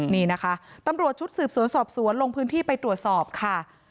นี่นะคะตำรวจชุดสืบสวนสอบสวนลงพื้นที่ไปตรวจสอบค่ะ